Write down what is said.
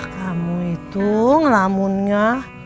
kamu itu ngelamunnya